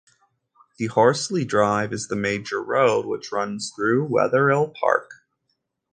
The Horsley Drive is the major road which runs through Wetherill Park.